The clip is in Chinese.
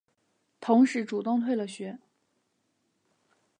同时主动退了学。